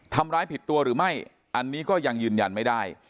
ทำร้ายผิดตัวหรือไม่อันนี้ก็ยังยืนยันไม่ได้